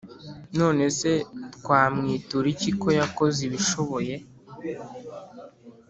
None se twamwitura iki ko yakoze ibishoboye